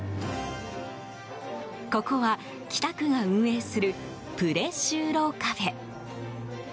ここは、北区が運営するプレ就労カフェ。